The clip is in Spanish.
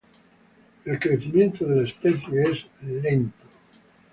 El crecimiento de la especie es lento.